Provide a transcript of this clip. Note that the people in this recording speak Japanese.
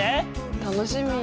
楽しみ。